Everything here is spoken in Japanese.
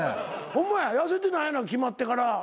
ホンマや痩せてないな決まってから。